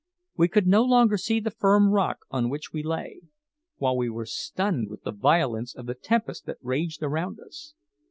We could no longer see the firm rock on which we lay, while we were stunned with the violence of the tempest that raged around us.